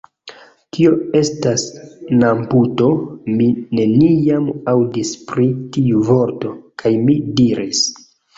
Kio estas namputo? Mi neniam aŭdis pri tiu vorto. kaj mi diris: